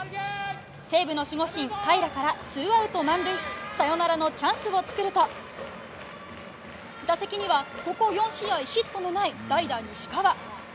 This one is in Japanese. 西武の守護神・平良からツーアウト満塁、サヨナラのチャンスを作ると打席にはここ４試合ヒットのない代打、西川。